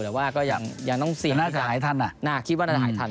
แต่ว่าก็ยังยังต้องเสียธนาศาหายทันอ่ะน่าคิดว่าน่าจะหายทัน